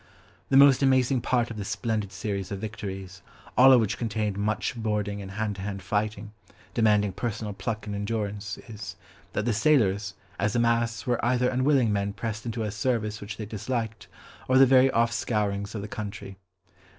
The most amazing part of this splendid series of victories, all of which contained much boarding and hand to hand fighting, demanding personal pluck and endurance, is, that the sailors, as a mass, were either unwilling men pressed into a service which they disliked, or the very off scourings of the country.